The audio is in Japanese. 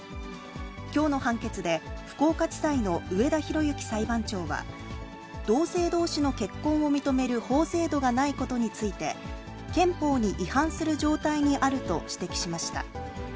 きょうの判決で、福岡地裁の上田洋幸裁判長は、同性どうしの結婚を認める法制度がないことについて、憲法に違反する状態にあると指摘しました。